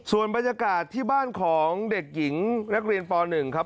ส่วนบรรยากาศที่บ้านของเด็กหญิงนักเรียนป๑ครับ